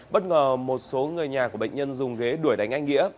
bất ngờ một số người nhà của bệnh nhân dùng ghế đuổi đánh anh nghĩa